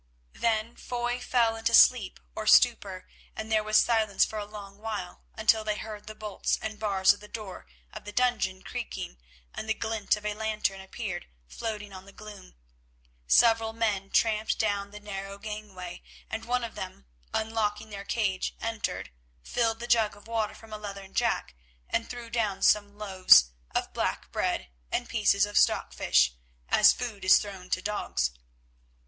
Then Foy fell into sleep or stupor, and there was silence for a long while, until they heard the bolts and bars of the door of the dungeon creaking, and the glint of a lantern appeared floating on the gloom. Several men tramped down the narrow gangway, and one of them, unlocking their cage, entered, filled the jug of water from a leathern jack, and threw down some loaves of black bread and pieces of stockfish, as food is thrown to dogs.